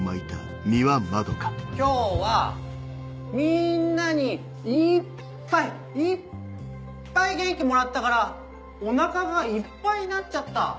今日はみんなにいっぱいいっぱい元気もらったからお腹がいっぱいになっちゃった。